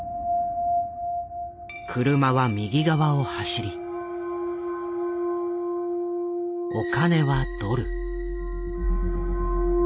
車は右側を走りお金はドル。